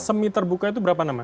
semi terbuka itu berapa nama